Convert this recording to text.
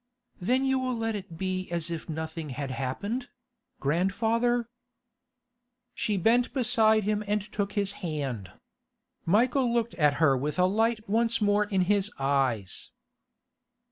'Then you will let it be as if nothing had happened? Grandfather—' She bent beside him and took his hand. Michael looked at her with a light once more in his eyes.